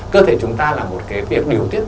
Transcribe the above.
cơ thể chúng ta là một cái việc điều tiết